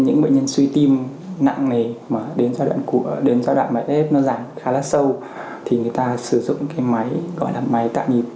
những bệnh nhân suy tim nặng này mà đến giai đoạn máy ép nó giảm khá là sâu thì người ta sử dụng cái máy gọi là máy tạo nhịp